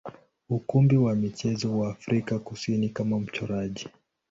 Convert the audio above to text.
ukumbi wa michezo wa Afrika Kusini kama mchoraji.